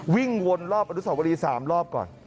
วิ่งวนรอบอนุสาวรี๓รอบก่อน